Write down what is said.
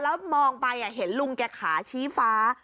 แล้วมองไปเห็นลุงแกขาชี้ฟ้า